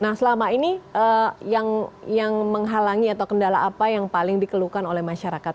nah selama ini yang menghalangi atau kendala apa yang paling dikeluhkan oleh masyarakat